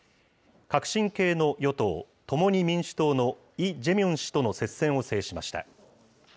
革新系の与党・共に民主党のイ・ジェミョン氏との接戦を制しました。